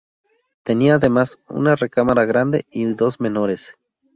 Tenía además, una recámara grande y dos menores.